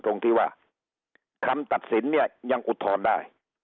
ตรงที่ว่าคำตัดสินเนี่ยยังอุทธรณ์ได้